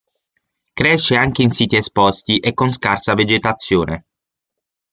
Cresce anche in siti esposti e con scarsa vegetazione.